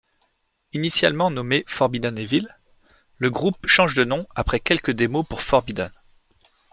Initialement nommé Forbidden Evil, le groupe change de nom après quelques démos pour Forbidden.